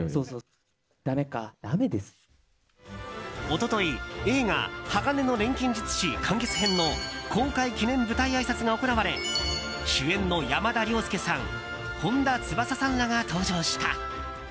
一昨日映画「鋼の錬金術師完結編」の公開記念舞台あいさつが行われ主演の山田涼介さん本田翼さんらが登場した。